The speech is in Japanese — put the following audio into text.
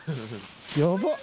やばっ！